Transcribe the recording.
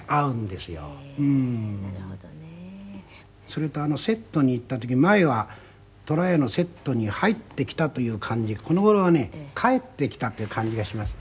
それとセットに行った時前はとらやのセットに入ってきたという感じがこの頃はね帰ってきたという感じがします。